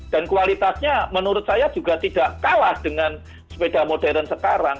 dan kualitasnya menurut saya juga tidak kalah dengan sepeda modern sekarang